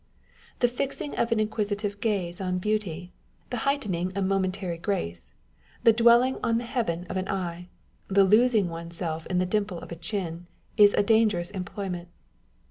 The fixing an inquisitive gaze on beauty, the heightening a momentary grace, the dwelling on the heaven of an eye, the losing oneself in the dimple of a chin, is a dangerous employment.